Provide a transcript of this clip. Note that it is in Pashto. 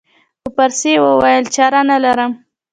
په پارسي یې وویل چاره نه لرم.